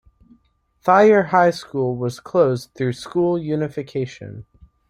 Thayer High School was closed through school unification.